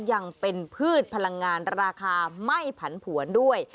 ยังเป็นพืชพลังงานราคาไม่ผันผวนด้วย